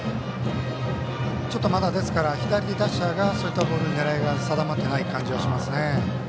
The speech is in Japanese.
ちょっとまだ左打者がそういったボールに狙いが定まっていない感じがしますね。